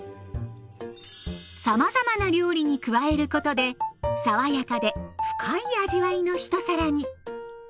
さまざまな料理に加えることで爽やかで深い味わいの一皿に。